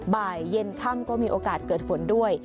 บ่ายเย็นค่ำก็มีโอกาสเกิดฝนด้วย